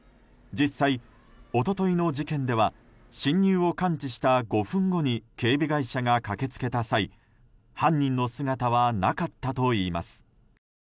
実際、一昨日の事件では侵入を感知した５分後に警備会社が駆け付けた際犯人の姿はなかったといいます。